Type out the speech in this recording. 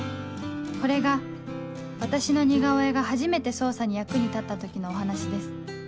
これが私の似顔絵が初めて捜査に役に立った時のお話です